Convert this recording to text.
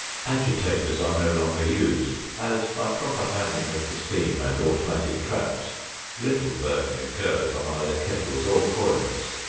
Agitators are no longer used, as by proper handling of the steam and automatic traps, little burning occurs on either kettles or coils.